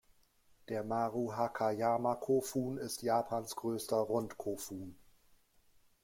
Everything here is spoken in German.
Der Maruhakayama-Kofun ist Japans größter Rund-Kofun.